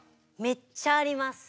めっちゃあります。